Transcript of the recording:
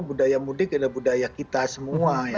budaya mudik ada budaya kita semua ya